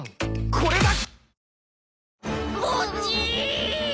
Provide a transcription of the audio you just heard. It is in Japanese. これだ。